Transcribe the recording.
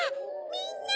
みんな！